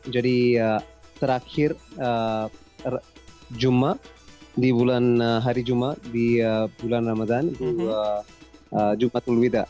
jadi terakhir juma di bulan hari juma di bulan ramadhan itu jumatul wida